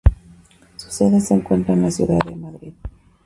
Su sede se encuentra en la ciudad de Madrid.